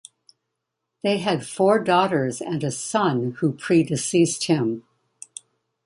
They had four daughters and a son who predeceased him.